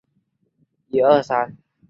西藏噶厦的决定遭到中央政府的反对。